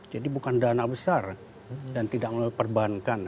jadi bukan dana besar dan tidak perlu diperbankan